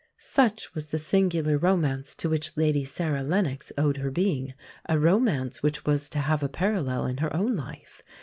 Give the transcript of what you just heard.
Such was the singular romance to which Lady Sarah Lennox owed her being, a romance which was to have a parallel in her own life.